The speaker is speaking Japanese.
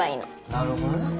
なるほどね。